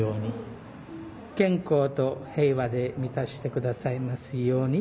健康と平和で満たして下さいますように。